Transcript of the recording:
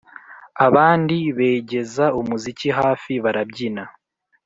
abandi begeza umuziki hafi barabyina.